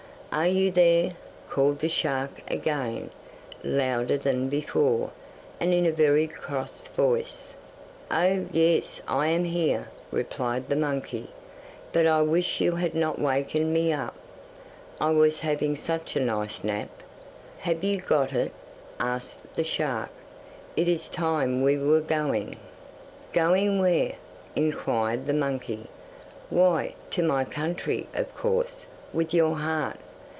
'Are you there?' called the shark again, louder than before, and in a very cross voice. 'Oh, yes. I am here,' replied the monkey; 'but I wish you had not wakened me up. I was having such a nice nap.' 'Have you got it?' asked the shark. 'It is time we were going.' 'Going where?' inquired the monkey. 'Why, to my country, of course, with your heart.